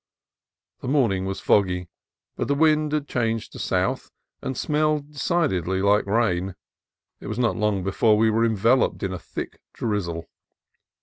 The morning was foggy, but the wind had changed to south and smelled decidedly like rain. It was not long before we were enveloped in a thick drizzle.